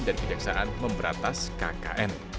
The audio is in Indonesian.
dan kejaksaan memberatas kkn